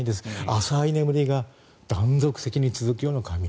浅い眠りが断続的に続くような過眠